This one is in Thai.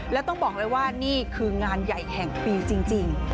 แล้วต้องบอกเลยว่านี่คืองานใหญ่แห่งปีจริง